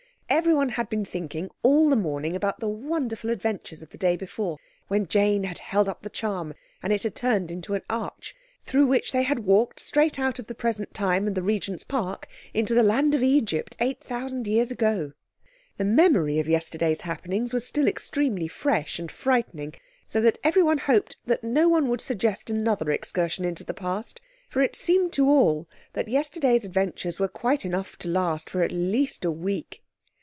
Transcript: Everyone had been thinking all the morning about the wonderful adventures of the day before, when Jane had held up the charm and it had turned into an arch, through which they had walked straight out of the present time and the Regent's Park into the land of Egypt eight thousand years ago. The memory of yesterday's happenings was still extremely fresh and frightening, so that everyone hoped that no one would suggest another excursion into the past, for it seemed to all that yesterday's adventures were quite enough to last for at least a week.